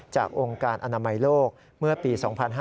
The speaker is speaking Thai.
องค์การอนามัยโลกเมื่อปี๒๕๕๙